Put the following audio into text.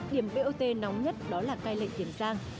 điểm bot nóng nhất đó là cai lệnh tiền giang